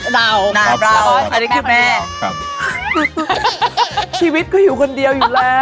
แม่อยู่คนเดียว